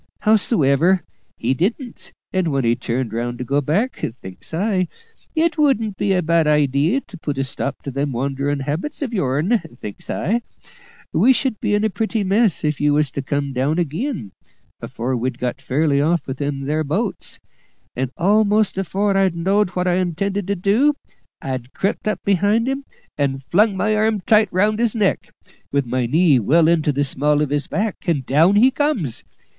Hows'ever, he didn't, and when he turned round to go back, thinks I, `It wouldn't be a bad idee to put a stop to them wanderin' habits of yourn,' thinks I; `we should be in a pretty mess if you was to come down ag'in, afore we'd got fairly off with them there boats;' and almost afore I knowed what I intended to do, I'd crept up behind him and flung my arm tight round his neck, with my knee well into the small of his back, and down he comes.